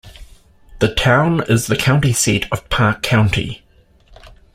The town is the county seat of Parke County.